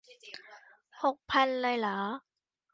หกพันเลยเหรอ